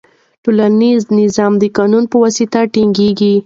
ټولنیز نظم د قانون په واسطه ټینګیږي.